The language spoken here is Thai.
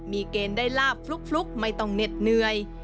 มีเกณฑ์ได้ลาบฟลุกไม่ต้องเหน็ดเหนื่อย